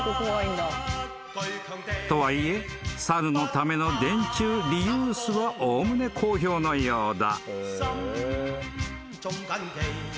［とはいえ猿のための電柱リユースはおおむね好評のようだ］